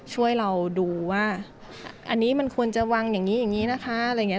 ช่วยเราดูว่าอันนี้มันควรจะวางอย่างนี้อย่างนี้นะคะอะไรอย่างนี้